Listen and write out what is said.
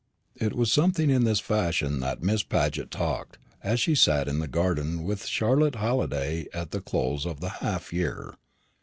It was something in this fashion that Miss Paget talked, as she sat in the garden with Charlotte Halliday at the close of the half year.